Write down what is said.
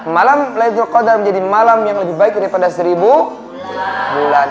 malam laylatul qadar menjadi malam yang lebih baik daripada seribu bulan